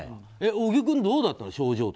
小木君、どうだった？